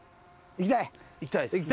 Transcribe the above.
いきたい。